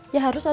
kamu harus tahu